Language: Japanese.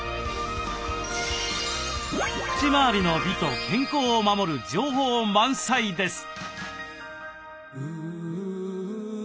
口まわりの美と健康を守る情報満載です。